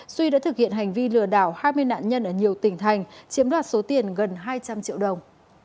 suy đã thực hiện hành vi lừa đảo hai mươi nạn nhân ở nhiều tỉnh thành chiếm đoạt số tiền gần hai trăm linh triệu đồng